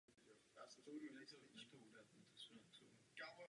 Fontána patří mezi nejnavštěvovanější místa v Římě.